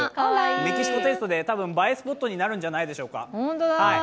メキシコテイストで、たぶん映えスポットになるんじゃないでしょうか。